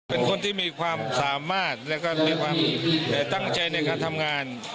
เป็นคนที่มีความสามารถแล้วก็มีความตั้งใจในการทำงาน